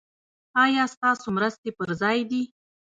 ایا ستاسو مرستې پر ځای دي؟